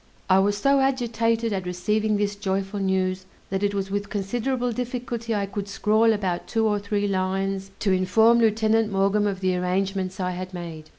I was so agitated at receiving this joyful news, that it was with considerable difficulty I could scrawl about two or three lines to inform Lieutenant Maughn of the arrangements I had made.